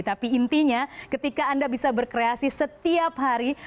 tapi intinya ketika anda bisa berkreasi setiap hari